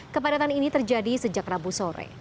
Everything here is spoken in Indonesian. kepadatan ini terjadi sejak rabu sore